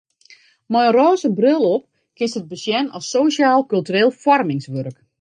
Mei in rôze bril op kinst it besjen as sosjaal-kultureel foarmingswurk.